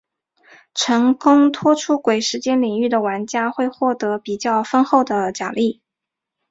成功脱出鬼时间领域的玩家会获得比较丰厚的奖励。